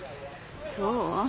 そう？